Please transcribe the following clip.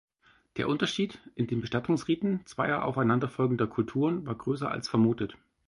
Der Unterschied in den Bestattungsriten zweier aufeinander folgender Kulturen war größer als vermutet.